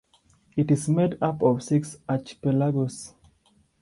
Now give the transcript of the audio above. It is made up of six archipelagos.